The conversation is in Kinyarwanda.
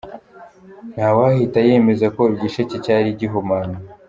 Ntawahita yemeza ko igisheke cyari gihumanye.